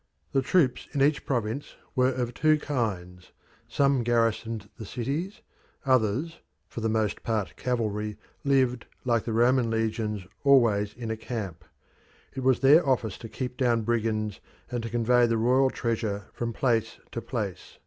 The troops in each province were of two kinds; some garrisoned the cities; others, for the most part cavalry, lived, like the Roman legions, always in a camp; it was their office to keep down brigands, and to convey the royal treasure from place to place.